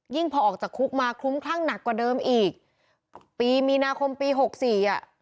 พอออกจากคุกมาคลุ้มคลั่งหนักกว่าเดิมอีกปีมีนาคมปีหกสี่อ่ะ